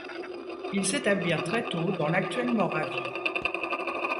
Ils s'établirent très tôt dans l'actuelle Moravie.